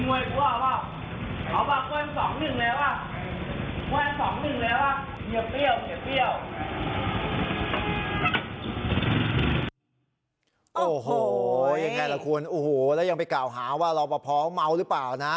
โอ้โหยังไงล่ะคุณโอ้โหแล้วยังไปกล่าวหาว่ารอปภเมาหรือเปล่านะ